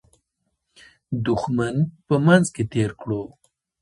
دښمن په منځ کې تېر کړو.